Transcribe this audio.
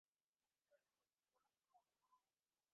মিথ্যে কথা কেন বলব, ছবি নিয়ে আমি করব কী?